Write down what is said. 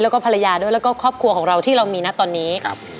แล้วก็ภรรยาด้วยแล้วก็ครอบครัวของเราที่เรามีนะตอนนี้ครับ